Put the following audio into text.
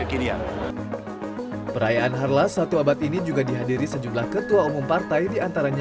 akhirnya perayaan harla satu abad ini juga dihadiri sejumlah ketua umum partai diantara